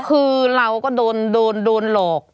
คือเราก็โดนโดนโดนหลอก